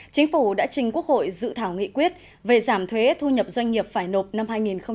chính phủ đã trình quốc hội dự thảo nghị quyết về giảm thuế thu nhập doanh nghiệp phải nộp năm hai nghìn hai mươi